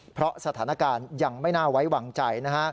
เพราะสถานการณ์ยังไม่น่าไว้วางใจนะฮะ